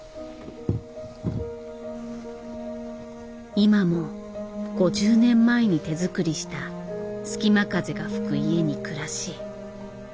今も５０年前に手作りした隙間風が吹く家に暮らし